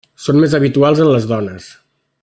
Són més habituals en les dones.